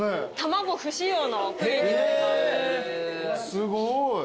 すごい。